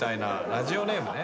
ラジオネームね。